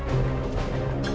aku tidak akan berhenti